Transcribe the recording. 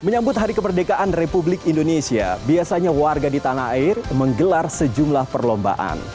menyambut hari kemerdekaan republik indonesia biasanya warga di tanah air menggelar sejumlah perlombaan